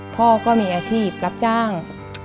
พ่อก็มีอาชีพรับจ้าง